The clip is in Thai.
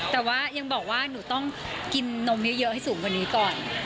แต่ว่ายังบอกว่าหนูต้องกินนมเยอะให้สูงกว่านี้ก่อน